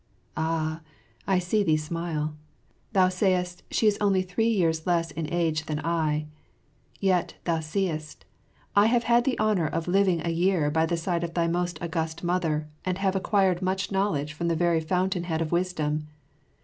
Ah, I see thee smile. Thou sayest she is only three years less in age than I; yet, thou seest, I have had the honour of living a year by the side of thy Most August Mother and have acquired much knowledge from the very fountain head of wisdom.